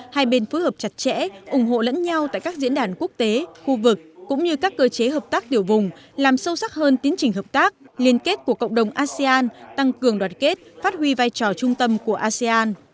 hai bên phối hợp chặt chẽ ủng hộ lẫn nhau tại các diễn đàn quốc tế khu vực cũng như các cơ chế hợp tác tiểu vùng làm sâu sắc hơn tiến trình hợp tác liên kết của cộng đồng asean tăng cường đoàn kết phát huy vai trò trung tâm của asean